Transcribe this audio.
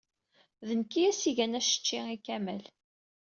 D nekk ay as-igan acecci i Kamal.